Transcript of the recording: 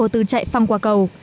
từ chạy phăm qua cầu